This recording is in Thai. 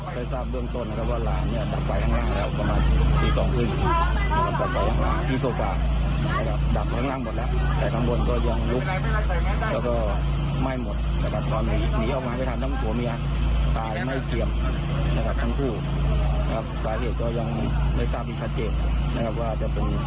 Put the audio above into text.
โดยตามที่ท่านเจ็บนะครับว่าจะเป็นเกลงไหม้หรือว่าลิขิตตัวเอง